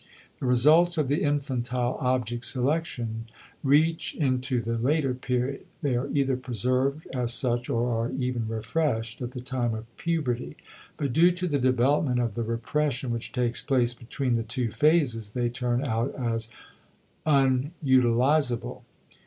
The results of the infantile object selection reach into the later period; they are either preserved as such or are even refreshed at the time of puberty. But due to the development of the repression which takes place between the two phases they turn out as unutilizable.